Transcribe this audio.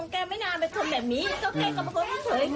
โกวมกันแหละแต่ไอ้แก่ผู้ตรงแกไม่นานไปชนแบบนี้